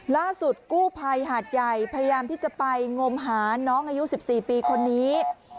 ล่าสุดกู้ภัยหาดใหญ่พยายามที่จะไปงมหาน้องอายุ๑๔ปีคนนี้